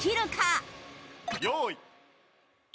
用意。